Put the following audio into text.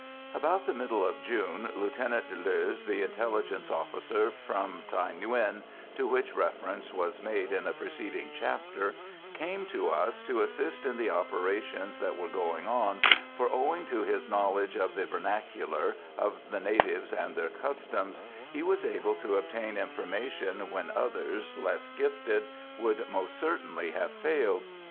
About the middle of June, Lieutenant Deleuze, the intelligence officer from Thaï Nguyen, to whom reference was made in a preceding chapter, came to us to assist in the operations that were going on, for owing to his knowledge of the vernacular, of the natives and their customs, he was able to obtain information when others, less gifted, would most certainly have failed.